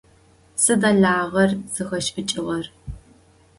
Сыда лагъэр зыхэшӏыкӏыгъэр?